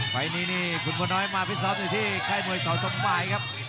ไปนี่นี่คุณพน้อยมาพิสอบอยู่ที่ไข้มวยสอสมบายครับ